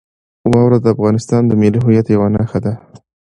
واوره د افغانستان د ملي هویت یوه نښه ده.